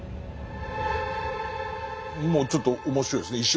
もうちょっと面白いですね。